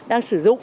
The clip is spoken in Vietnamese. đang sử dụng